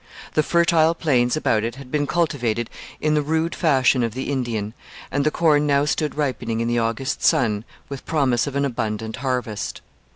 The fertile plains about it had been cultivated in the rude fashion of the Indian, and the corn now stood ripening in the August sun with promise of an abundant harvest.